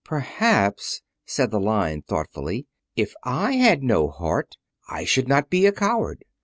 "Perhaps," said the Lion thoughtfully, "if I had no heart I should not be a coward."